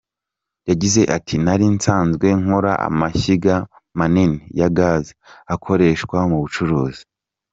Yagize ati “Nari nsanzwe nkora amashyiga manini ya gaz akoreshwa mu bucuruzi.